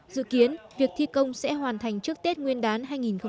dự kiến việc thi công sẽ hoàn thành trước tết nguyên đán hai nghìn một mươi tám